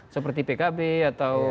seperti pkb atau